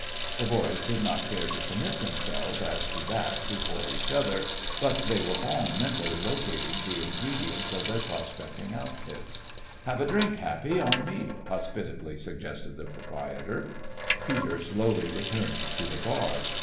The boys did not care to commit themselves as to that before each other, but they were all mentally locating the ingredients of their prospecting outfits. "Have a drink, Happy, on me," hospitably suggested the proprietor. Peter slowly returned to the bar.